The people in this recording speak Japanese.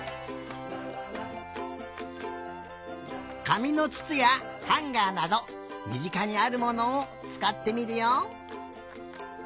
かみのつつやハンガーなどみぢかにあるものをつかってみるよ！